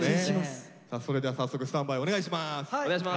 それでは早速スタンバイお願いします。